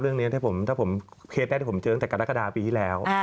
เรื่องนี้ถ้าผมเพจได้ผมเจอกับรากฎาปีที่แล้ว